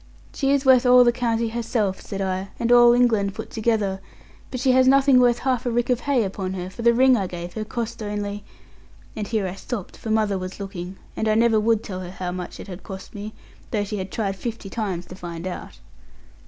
'She is worth all the county herself,' said I, 'and all England put together; but she has nothing worth half a rick of hay upon her; for the ring I gave her cost only,' and here I stopped, for mother was looking, and I never would tell her how much it had cost me; though she had tried fifty times to find out.